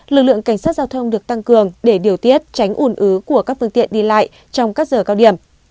lực lượng cảnh sát giao thông được tăng cường để điều tiết tránh ủn ứ của các phương tiện đi lại trong các giờ cao điểm